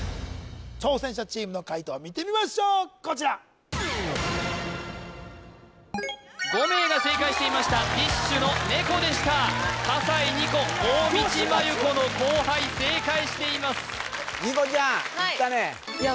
挑戦者チームの解答を見てみましょうこちら５名が正解していましたＤＩＳＨ／／の「猫」でした笠井虹来大道麻優子の後輩正解しています虹来ちゃんいったねはいいや